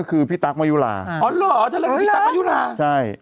คือพี่ตั๊กมายุลาอ๋อเหรอเธอเลิกกับพี่ตั๊กมายุลาใช่